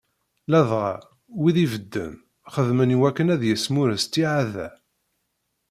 "Ladɣa, wid ibedden, xeddmen i wakken ad yesmurres ttiεad-a."